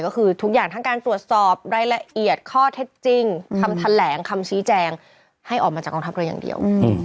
ก็คือทุกอย่างทั้งการตรวจสอบรายละเอียดข้อเท็จจริงคำแถลงคำชี้แจงให้ออกมาจากกองทัพเรืออย่างเดียว